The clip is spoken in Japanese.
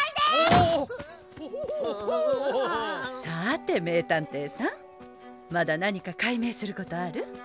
さて名探偵さんまだ何か解明することある？